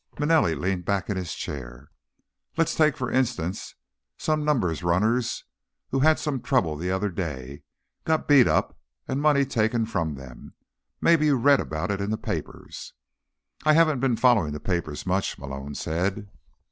Manelli leaned back in his chair. "Let's take, for instance, some numbers runners who had some trouble the other day, got beat up and money taken from them. Maybe you read about it in the papers." "I haven't been following the papers much," Malone said.